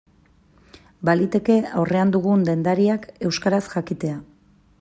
Baliteke aurrean dugun dendariak euskaraz jakitea.